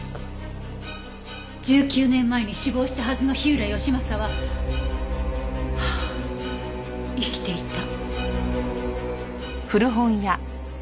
１９年前に死亡したはずの火浦義正は生きていた。